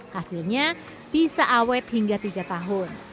hasilnya bisa awet hingga tiga tahun